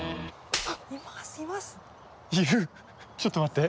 ちょっと待って！